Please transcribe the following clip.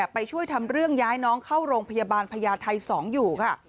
ไปช่วยทำเรื่องย้ายน้องเข้าโรงพยาบาลพญาไทย๒อยู่ค่ะ